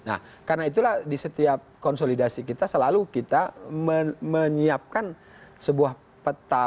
nah karena itulah di setiap konsolidasi kita selalu kita menyiapkan sebuah peta